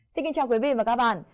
xin kính chào quý vị và các bạn